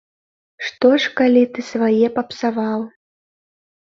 Што ж калі ты свае папсаваў.